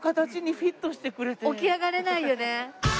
起き上がれないよね。